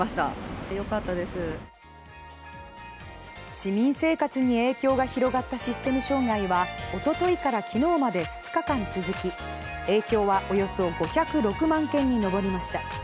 市民生活に影響が広がったシステム障害はおとといから昨日まで２日間続き影響はおよそ５０６万件に上りました。